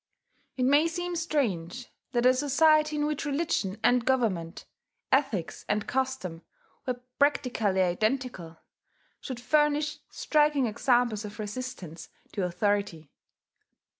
It may seem strange that a society in which religion and government, ethics and custom, were practically identical, should furnish striking examples of resistance to authority.